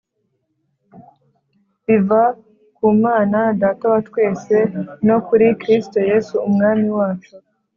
biva ku Mana Data wa twese no kuri Kristo Yesu Umwami wacu.